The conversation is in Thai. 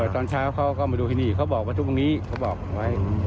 ตอนเช้าเขาก็มาดูที่นี่เขาบอกว่าทุกวันนี้เขาบอกไว้